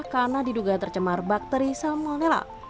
karena diduga tercemar bakteri salmonella